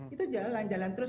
itu jalan jalan terus